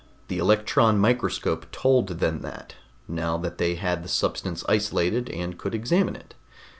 The electron microscope told them that, now that they had the substance isolated and could examine it.